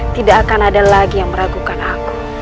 tidak akan ada lagi yang meragukan aku